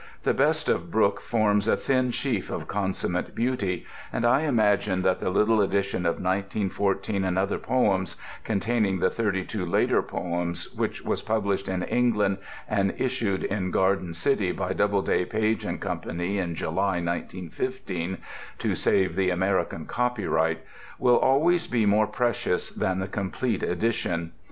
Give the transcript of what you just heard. The best of Brooke forms a thin sheaf of consummate beauty, and I imagine that the little edition of "1914 and Other Poems," containing the thirty two later poems, which was published in England and issued in Garden City by Doubleday, Page & Company in July, 1915, to save the American copy right, will always be more precious than the complete edition.